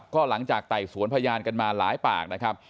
ก็หลังจากไต่สวนพยานกันมาหลายปากนะครับ